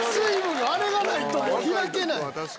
あれがないと開けない。